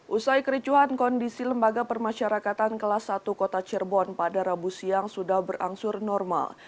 usai kericuhan kondisi lembaga permasyarakatan kelas satu kota cirebon pada rabu siang sudah berangsur normal